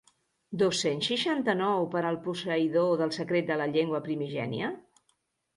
Dos-cents seixanta-nou para el posseïdor del secret de la llengua primigènia?